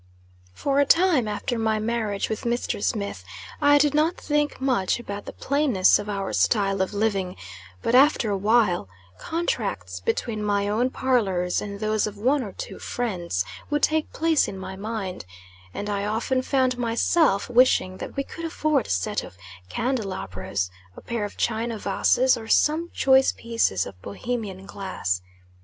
For a time after my marriage with Mr. Smith, I did not think much about the plainness of our style of living; but after a while, contracts between my own parlors and those of one or two friends, would take place in my mind; and I often found myself wishing that we could afford a set of candelabras, a pair of china vases, or some choice pieces of Bohemian glass.